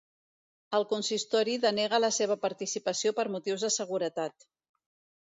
El consistori denega la seva participació per motius de seguretat.